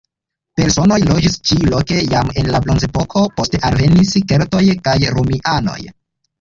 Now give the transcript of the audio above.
Personoj loĝis ĉi-loke jam en la bronzepoko; poste alvenis keltoj kaj romianoj.